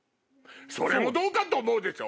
それもどうかと思うでしょ？